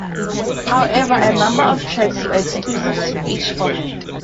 However, a number of tracks were exclusive to each format.